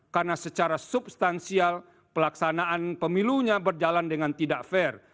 karena secara substansial pelaksanaan pemilunya berjalan dengan tidak fair